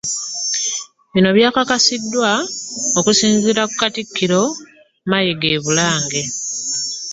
Bino byakakasiddwa okusinziira ku katikkiro Mayiga e Bulange.